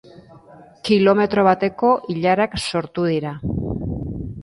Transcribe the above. Kilometro bateko ilarak sortu dira.